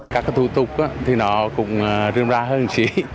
các thủ tục thì nó cũng rưm ra hơn chỉ